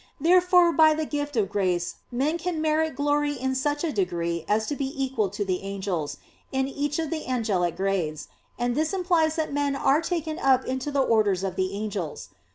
Therefore by the gift of grace men can merit glory in such a degree as to be equal to the angels, in each of the angelic grades; and this implies that men are taken up into the orders of the angels.